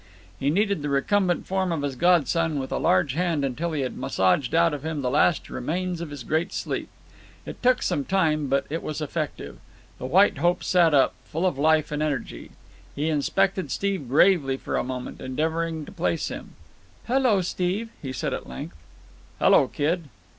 He kneaded the recumbent form of his godson with a large hand until he had massaged out of him the last remains of his great sleep. It took some time, but it was effective. The White Hope sat up, full of life and energy. He inspected Steve gravely for a moment, endeavouring to place him. "Hello, Steve," he said at length. "Hello, kid."